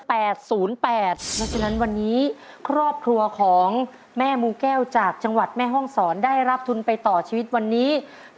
เพราะฉะนั้นวันนี้ครอบครัวของแม่มูแก้วจากจังหวัดแม่ห้องศรได้รับทุนไปต่อชีวิตวันนี้